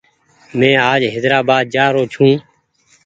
مينٚ آج حيدرآبآد جآرو ڇوٚنٚ